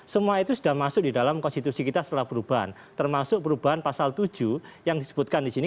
semua itu sudah masuk di dalam konstitusi kita setelah perubahan termasuk perubahan pasal tujuh yang disebutkan di sini